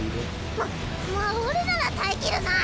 ままあ俺なら耐えきるな。